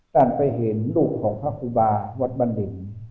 ท่านไปเห็นลูกของพระภูบาวัดบรรดิ